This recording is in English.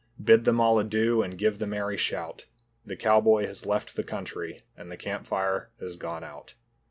Bid them all adieu and give the merry shout, The cowboy has left the country and the campfire has gone out.